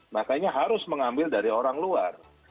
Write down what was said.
makanya harus mengambil dari orang luar